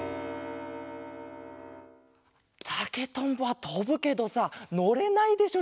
たけとんぼはとぶけどさのれないでしょ